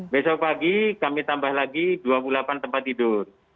besok pagi kami tambah lagi dua puluh delapan tempat tidur